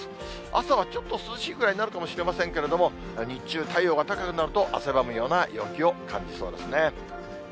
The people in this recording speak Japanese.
朝はちょっと涼しいぐらいになるかもしれませんけれども、日中、太陽が高くなると、汗ばむような陽気を感じそうですね。